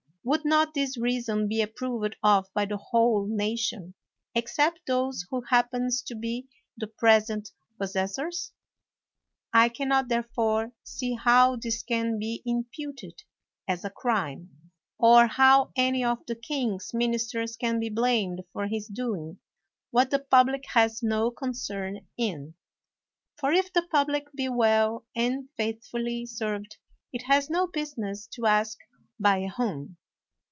Would not this reason be approved of by the whole na tion, except those who happen to be the present possessors? I can not, therefore, see how this can be imputed as a crime, or how any of the king's ministers can be blamed for his doing what the public has no concern in; for if the public be well and faithfully served it has no business to ask by whom.